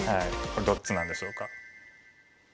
これどっちなんでしょうか。